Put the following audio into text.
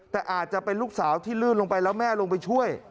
แต่อาจจะเป็นลูกสาวที่ลื่นลงไปแล้วแม่ลงไปช่วย